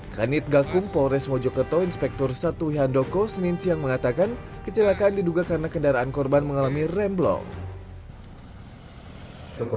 kanit gakung polres mojokerto inspektur satu hyandoko seninci yang mengatakan kecelakaan diduga karena kendaraan korban mengalami remblok